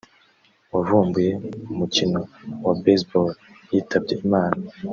wavumbuye umukino wa baseball yitabye Imana